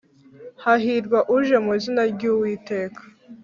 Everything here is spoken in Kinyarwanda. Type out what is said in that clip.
hahirwa uje mu izina ry’Uwiteka